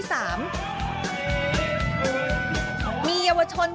มีเยาวชนจากจังหวังว่า